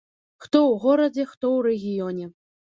Хто ў горадзе, хто ў рэгіёне.